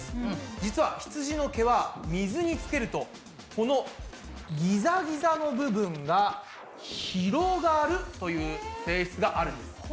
実はひつじの毛は水につけるとこのギザギザの部分が広がるという性質があるんです。